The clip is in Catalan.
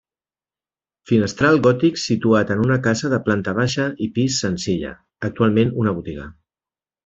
Finestral gòtic situat en una casa de planta baixa i pis senzilla, actualment una botiga.